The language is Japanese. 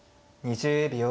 ２０秒。